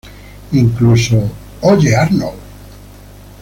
Incluso ¡Oye, Arnold!